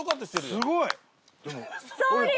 すごい！